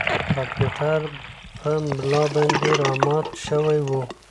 کمپیوټر په ملا باندې را مات شوی و.